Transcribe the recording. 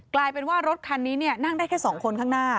กลายเป็นว่ารถคันนี้นั่งได้แค่๒คนข้างหน้า